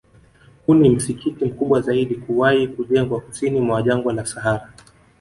Huu ni msikiti mkubwa zaidi kuwahi kujengwa Kusini mwa Jangwa la Sahara